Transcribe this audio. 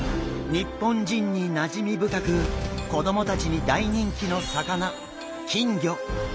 日本人になじみ深く子どもたちに大人気の魚金魚。